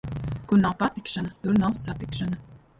Kur nav patikšana, tur nav satikšana.